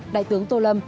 đại tướng tô lâm